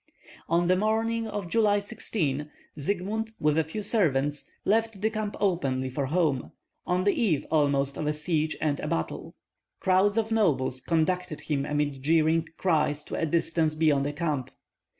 On the morning of July 16, Zygmunt with a few servants left the camp openly for home, on the eve almost of a siege and a battle. Crowds of nobles conducted him amid jeering cries to a distance beyond the camp.